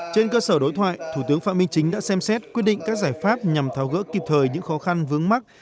trên cơ sở đối thoại thủ tướng phạm minh chính đã xem xét quyết định các giải pháp nhằm tháo gỡ kịp thời những khó khăn vướng mắt